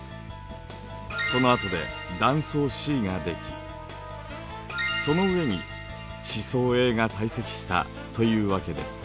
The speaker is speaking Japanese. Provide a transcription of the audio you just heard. そのあとで断層Ｃができその上に地層Ａが堆積したというわけです。